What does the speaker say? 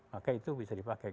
maka itu bisa dipakai